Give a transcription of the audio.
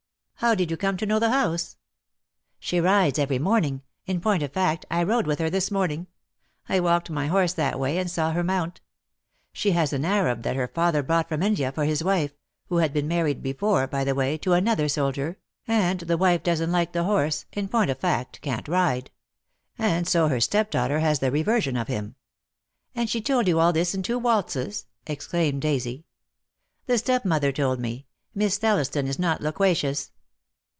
"How did you come to know the house?" "She rides every morning — in point of fact, I rode with her this morning — I walked my horse that way — and saw her mount. She has an Arab that her father brought from India for his wife — who had been married before, by the way, to an other soldier — and the wife doesn't like the horse — in point of fact, can't ride. And so her step daughter has the reversion of him." "And she told you all this in two waltzes," ex claimed Daisy. "The stepmother told me. Miss Thelliston is not loquacious."